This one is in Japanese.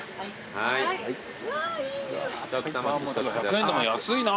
１００円安いな。